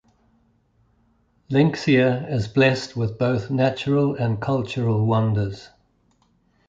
Linxia is blessed with both natural and cultural wonders.